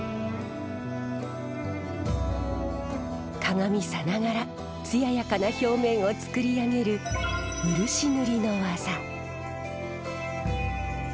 鏡さながらつややかな表面を作り上げる漆塗りの技。